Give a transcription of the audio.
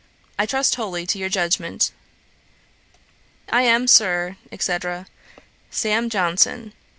I trust wholly to your judgement. 'I am, Sir, &c. 'SAM. JOHNSON.'